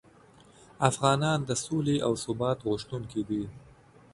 افغانان د سولې او ثبات غوښتونکي دي.